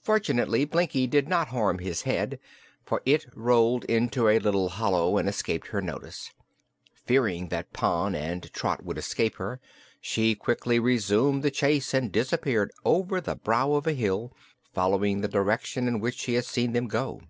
Fortunately, Blinkie did not harm his head, for it rolled into a little hollow and escaped her notice. Fearing that Pon and Trot would escape her, she quickly resumed the chase and disappeared over the brow of a hill, following the direction in which she had seen them go.